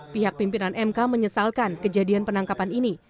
pihak pimpinan mk menyesalkan kejadian penangkapan ini